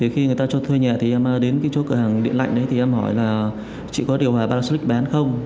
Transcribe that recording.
khi em đến chỗ cửa hàng điện lạnh em hỏi là chị có điều hòa paracelic bán không